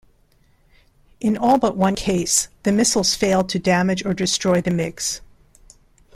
In all but one case, the missiles failed to damage or destroy the MiGs.